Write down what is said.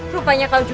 rupanya kau juga ingat